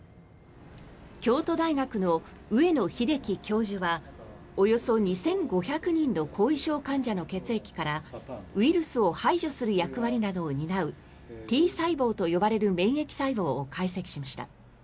京都大学の上野英樹教授はおよそ２５００人の後遺症患者の血液からウイルスを排除する役割などを担うＴ細胞と呼ばれる免疫細胞を解析しました。